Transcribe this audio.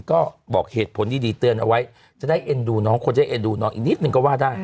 ก็บอกเหตุผลดีเตือนเอาไว้จะได้เอ็นดูน้องคนจะเอ็นดูน้องอีกนิดนึงก็ว่าได้